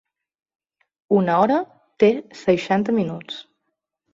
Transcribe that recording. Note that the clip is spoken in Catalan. Una hora té seixanta minuts.